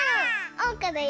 おうかだよ！